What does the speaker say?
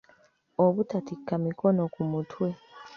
Obutatikka mikono ku mutwe.